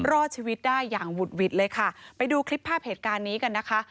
รอดชีวิตได้อย่างหุดหวิดเลยค่ะไปดูคลิปภาพเหตุการณ์นี้กันนะคะ